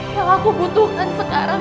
yang aku butuhkan sekarang